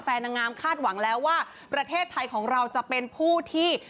นางงามคาดหวังแล้วว่าประเทศไทยของเราจะเป็นผู้ที่